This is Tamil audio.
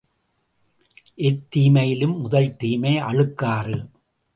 எத்தீமையிலும் முதல்தீமை அழுக்காறு!